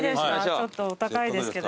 ちょっとお高いですけど。